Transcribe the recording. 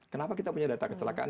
kenapa kita punya data kecelakaan